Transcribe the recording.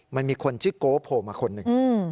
มันมีคนชื่อโก๊โผล่มาคนหนึ่ง